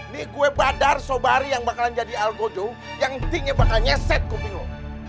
nih gue badar sobari yang bakalan jadi al qudu yang intinya bakal nyeset kuping lo